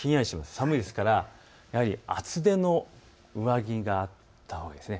寒いですから厚手の上着があったほうがいいですね。